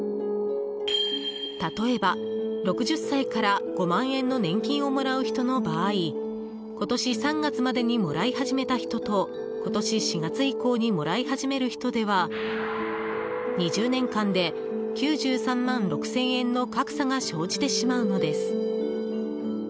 例えば、６０歳から５万円の年金をもらう人の場合今年３月までにもらい始めた人と今年４月以降にもらい始める人では２０年間で９３万６０００円の格差が生じてしまうのです。